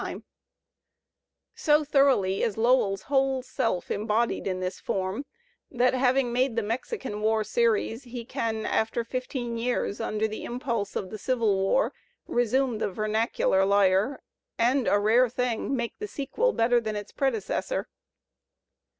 Digitized by Google LOWELL 195 So thoroughly is Lowell's whole self embodied in this form that having made the Mexican War series, he can, after fifteen years, under the impulse of the Civil War, resmne the vernacular lyre, and — a rare thing — make the sequel better than its predecessor.